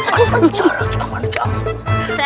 masa mencara kiaman kiamin